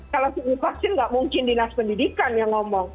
kalau divaksin gak mungkin dinas pendidikan yang ngomong